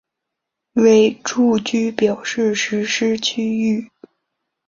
为住居表示实施区域。